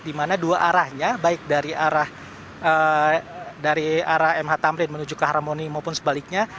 di mana dua arahnya baik dari arah mh tamrin menuju ke haramoni maupun sebaliknya